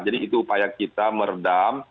jadi itu upaya kita meredam